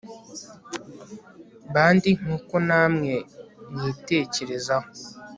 bandi nk uko namwe mwitekerezaho